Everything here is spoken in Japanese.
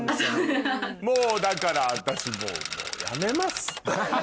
もうだから私もうやめます。